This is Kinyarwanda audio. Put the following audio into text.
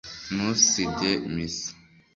ntusige misa